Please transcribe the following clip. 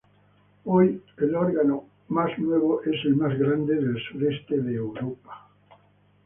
Hoy el órgano más nuevo es el más grande del sureste de Europa.